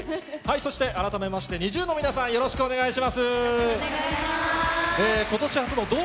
そして改めましてＮｉｚｉＵの皆さん、よろしくお願いしますー。